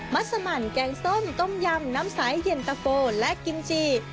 ัสมันแกงส้มต้มยำน้ำใสเย็นตะโฟและกิมจี